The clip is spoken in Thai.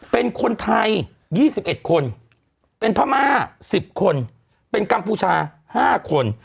เป็นคนไทย๒๑คนเป็นพม่า๑๐คนเป็นกัมพูชา๕คน